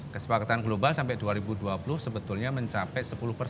kesepakatan global sampai dua ribu dua puluh sebetulnya mencapai sepuluh persen